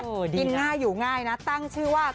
อือดีนะกินง่ายอยู่ง่ายตั้งชื่อว่า